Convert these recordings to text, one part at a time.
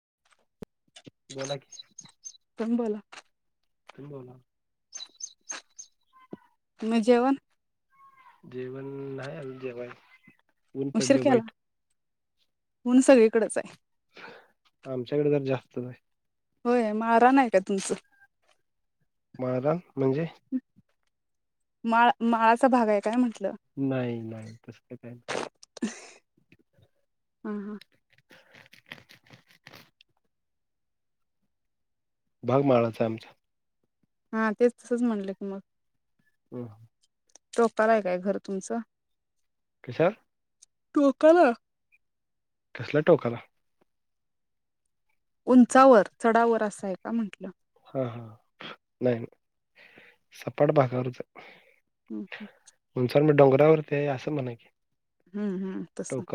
[inaudible] बोला की! बोला! हा बोला. म जेवण? जेवण नाही अजून जेवायचं. ऊन उशीर पडलय केला वाईट. ऊन सगळीकडचं हाय. आमच्याकड जरा जास्तच आहे. होय, माळरान आहे का तुमचं? माळरान म्हणजे? माळ, माळाचा भाग हाय काय म्हटलं? नाही नाही तसलं काही [unintelligible] नाही. हं हं! [inaudible] भाग माळाचा आहे आमचा. हा तेच तसंच म्हनलं की मग. हं! टोपाला आहे का घर तुमचं? कसं? टोकाला? कसल्या टोकाला? उंचावर चढावर असं आहे का म्हटलं. हा हा नाही नाही, सपाट भागावरच हं हं रावरती आहे असं, म्हणा की. हं हं तसं!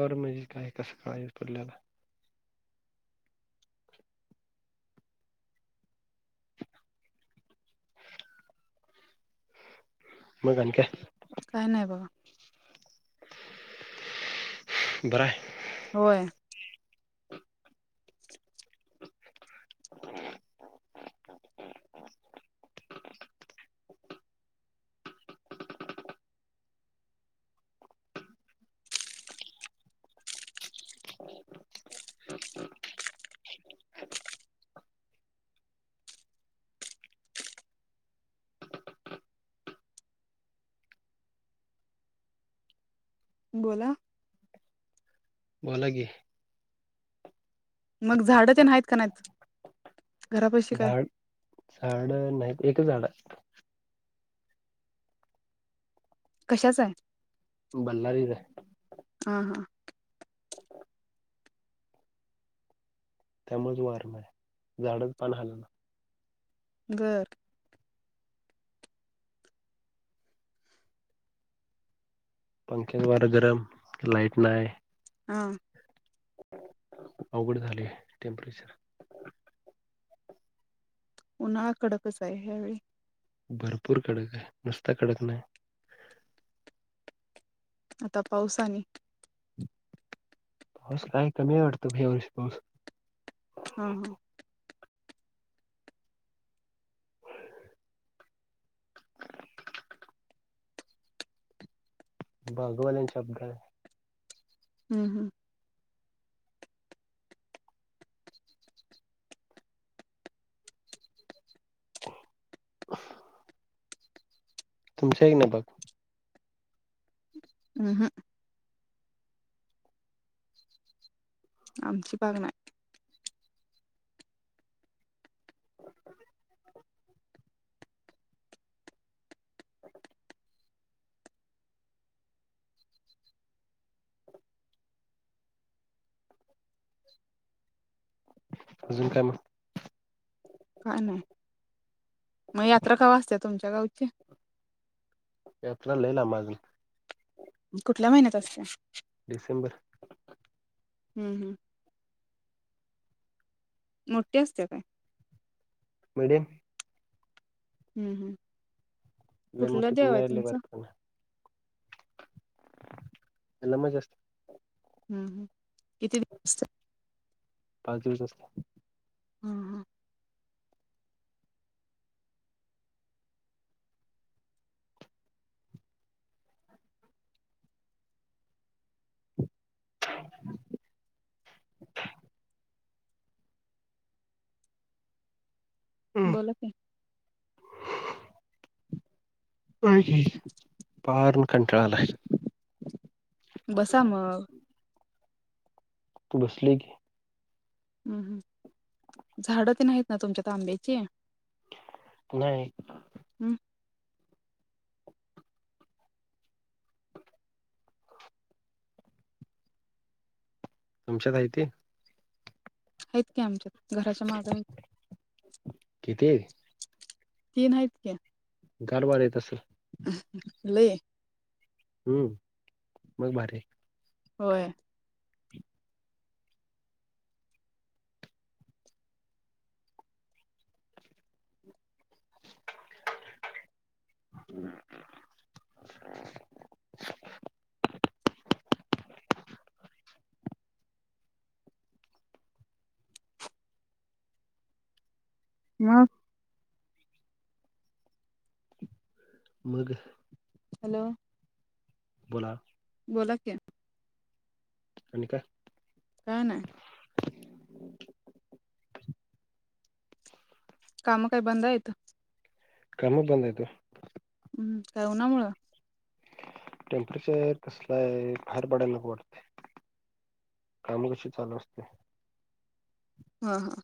तसं [inaudible] पडलेलं. मग आणि काय? काय नाही बघा. बर हाय! होय! [inaudible] बोला! बोला की. मग झाड ते नाहीत कां नाहीत. घरापाशी काय झाड, झाडं नाही एकच झाड हाय. कश्याचा हाय? बल्लारीत हाय. आ हा त्यामुळेच वार न्हाय, झाडाचं पान हाल ना. बर पंख्यानं वार गरम, लाईट नाय. हा अवघड झालये टेम्प्रेचर. उन्हाळा कडकच आहे ह्यावेळी. भरपूर कडक आहे, नुसता कडक नाही. आता पाऊस आणि पाऊस लई कमी हाय वाटतं यावर्षी पाऊस. हम्म, हम्म बाजूवाल्यांच्या [unintelligible] हं, हं [unintelligible] तुमच्या हेन बघ. अं हं आमची बाग नाय. [inaudible] [inaudible] अजून काय मग? काय नाही मग यात्रा कवा असत्या तुमच्या गावची? यात्रा लय लांब अजून. मग कुठल्या महिन्यात असत्या? डिसेंबर हम्म, हम्म मोट्टी असत्या काय मीडयम हं, हं लई मोठी पण नाय, लई बारकी पण नाय. लई मजा असती. हम्म, हम्म किती दिवस असतं? पाच दिवस असतात. हम्म, हम्म [inaudible] बोला की. [unintelligible] पार कंटाळा आलाय बसा मग. तु बसलीय की हम्म हम्म झाडं तेन हायीत ना तुमच्यात आंब्याची? नाही. हम्म तुमचात हाय ती? आहेत की आमच्यात घराच्या माग हाईत. किती हाईत? तीन हायत क्या गार वारं येत असलं???? लई हे हम्म मग भारी हाय. होय हम् मग मग हॅलो बोला बोला की आणि काय काय नाय. कामं काय बंद हायत कामं बंद हायत ओ. हम्म काय उनामुळं. टेम्परेचर कसल हाय, बाहेर पडायला नको वाटतय काम कशी चालू असति हा हा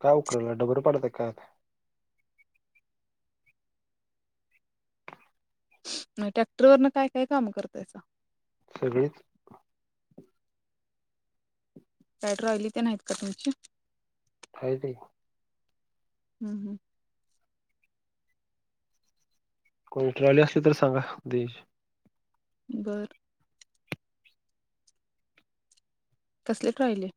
काय उकरालाय, डबर पाडताय काय आता? मं ट्रॅक्टर वरन काय काय काम करतायसा. सगळीच काय ट्रॉली ते, नाहीत का तुमची? हायते! हुं हुं कोण ट्रॉली असली तर सांगा दयायची बर कसले ट्रॉयले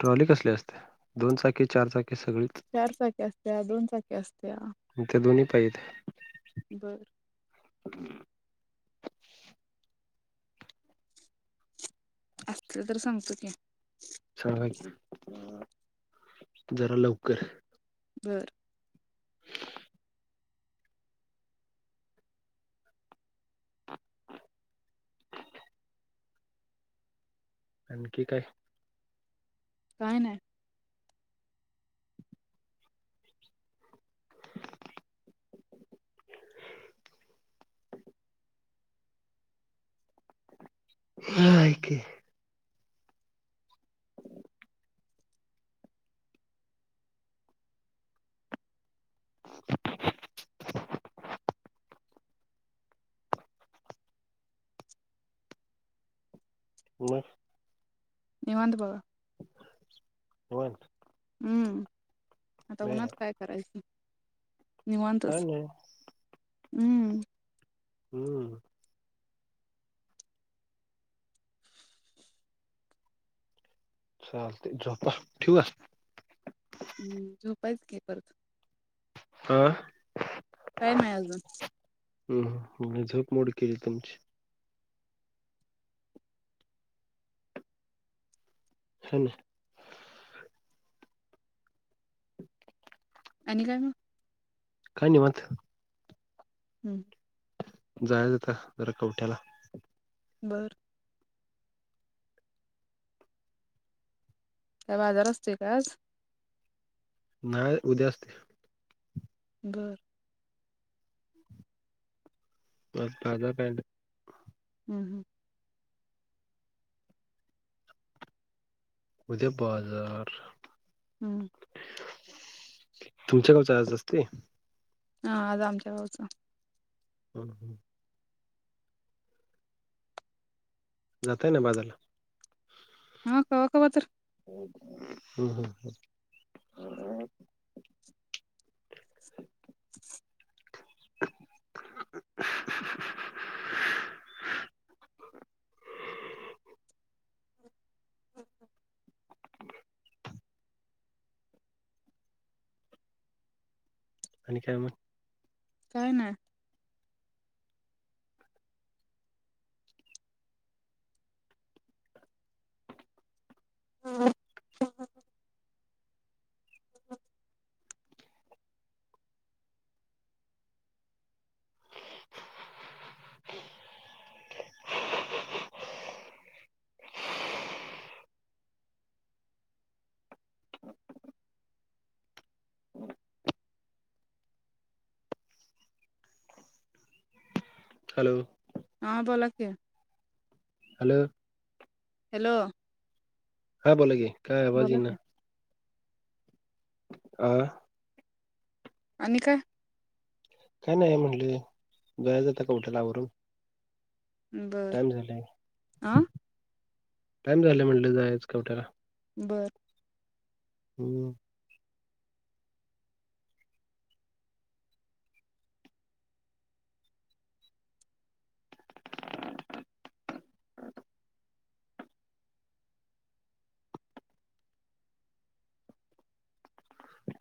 ट्रॉली कसली असते, दोन चाकी चारचाकी चार चाकी असत्या दोन चाकी त्याच त्या त्या दोन्ही पाहित बर हुं असल तर सांगतो की सांगा की जरा लवकर बर [inaudible] आणखी काय काय नाही. हा आय ग मग निवांत बघा [unintelligible] हमं आता बे उन्हात काय करायचं काय निवांतच नाही. हुं हुं चालतंय जा पा ठिऊ काय? हम्म झोपायच की परत आ टाइम हाय आजुन हम् मी झोप मोड केली तुमची हा ना आणि काय मग? काय निवांत हम्म जायच आता जरा कवठ्याला बर काय बाजार असतोय काय आज नाय उद्या असते. बर आज ताजा पेंट हम्म उद्या बाजार हम्म तुमच्या गावच्या आज असते हा आज आमच्या गावचा ह जाताय ना बाजाराला हा कवा कवा तर हम्म हम्म [unintelligible] आणि काय मग काय नाय [unintelligible] हॅलो हा बोला की हॅलो हॅलो हा बोला की. काय आवाज बोला यीना. की. आ? आणि काय? [inaudible] आणि टाइम काय टाईम झाले म्हटलं जायचं कवट्याला. बरं ऊ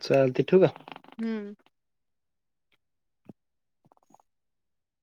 चालतय ठेवू का? हुं